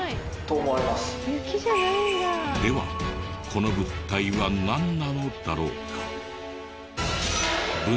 ではこの物体はなんなのだろうか？